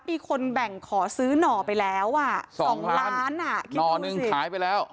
มีคนแบ่งขอซื้อหน่อไปแล้วอ่ะสองล้านอ่ะหน่อหนึ่งขายไปแล้ว